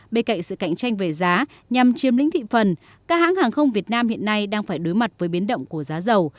bên cạnh sự cạnh tranh về giá nhằm chiếm lĩnh thị phần các hãng hàng không việt nam hiện nay đang phải đối mặt với biến động của giá dầu